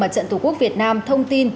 mặt trận tổ quốc việt nam thông tin